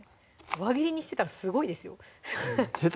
輪切りにしてたらすごいですよ下手